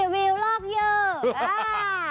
วีหลากเยอะ